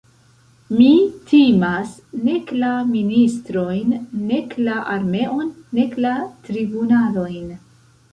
Mi timas nek la ministrojn, nek la armeon, nek la tribunalojn.